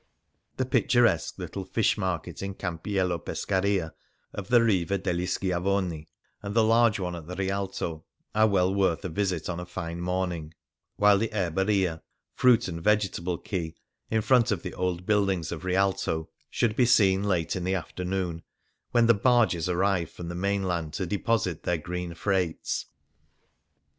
The picturesque little fish market in Campiello Pescaria of the Riva degli Schiavoni, and the large one at the Rialto, are well worth a visit on a fine morning, while the erheria — fruit and vegetable quay — in front of the old buildings of Rialto, should be seen late in the afternoon, 145 K Things Seen in Venice when the barges arrive from the mainland to deposit their green freights.